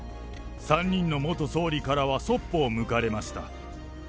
３人の元総理からはそっぽを向かれました。